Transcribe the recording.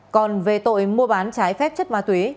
còn về tội mua bán trái phép chất ma túy